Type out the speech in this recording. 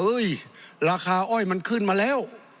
ราคาอ้อยมันขึ้นมาแล้ว